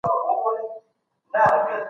د ژبپوهنې او ادب اړيکه ډېره روښانه ده.